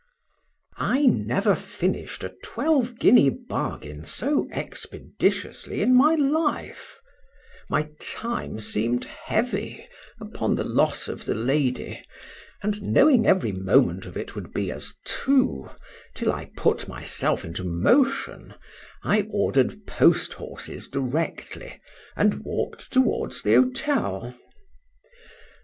I NEVER finished a twelve guinea bargain so expeditiously in my life: my time seemed heavy, upon the loss of the lady, and knowing every moment of it would be as two, till I put myself into motion,—I ordered post horses directly, and walked towards the hotel.